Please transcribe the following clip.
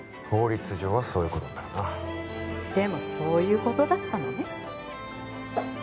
法律上はそういうことになるなでもそういうことだったのね